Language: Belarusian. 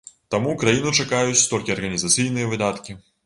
Таму краіну чакаюць толькі арганізацыйныя выдаткі.